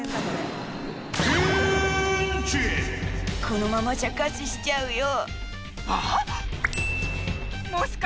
「このままじゃ餓死しちゃうよ」